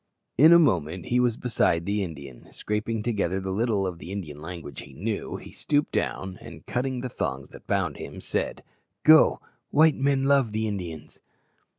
In a moment he was beside the Indian. Scraping together the little of the Indian language he knew, he stooped down, and, cutting the thongs that bound him, said, "Go! white men love the Indians."